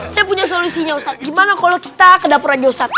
saya punya solusinya gimana kalau kita kedapur aja ustaz